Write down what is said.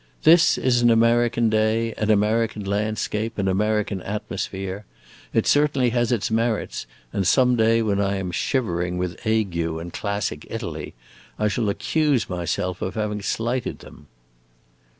This is an American day, an American landscape, an American atmosphere. It certainly has its merits, and some day when I am shivering with ague in classic Italy, I shall accuse myself of having slighted them."